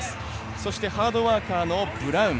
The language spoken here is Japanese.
そしてハードワーカーのブラウン。